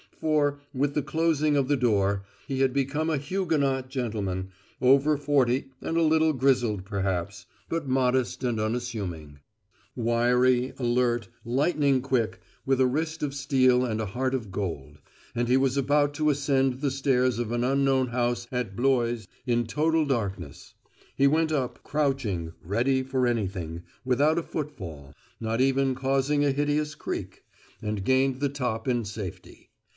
For, with the closing of the door, he had become a Huguenot gentleman, over forty and a little grizzled perhaps, but modest and unassuming; wiry, alert, lightning quick, with a wrist of steel and a heart of gold; and he was about to ascend the stairs of an unknown house at Blois in total darkness. He went up, crouching, ready for anything, without a footfall, not even causing a hideous creak; and gained the top in safety.